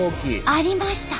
ありました！